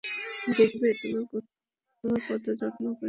দেখবে তোমার কত যত্ন করি!